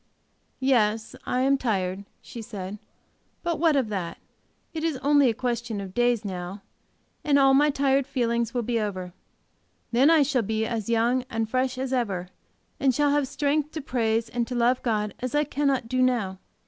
"Yes, I am tired," she said, "but what of that? It is only a question of days now, and all my tired feelings will be over. Then I shall be as young and fresh as ever, and shall have strength to praise and to love God as I cannot do now.